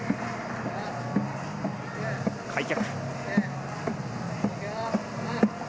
開脚。